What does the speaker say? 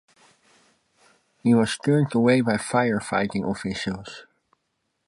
He was turned away by firefighting officials.